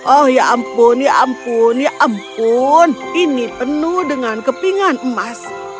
oh ya ampun ya ampun ya ampun ini penuh dengan kepingan emas